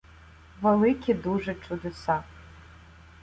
Великі дуже чудеса.